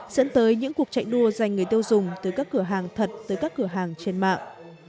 dẫn tới những cuộc chạy đua dành người tiêu dùng từ các cửa hàng thật tới các cửa hàng trên mạng